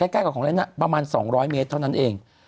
ใกล้กับของเล่นประมาณ๒๐๐เมตรเท่านั้นเอง